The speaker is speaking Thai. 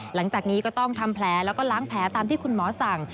หลังจากนี้ก็ต้องทำแผลแล้วก็ล้างแผลตามที่คุณหมอสั่ง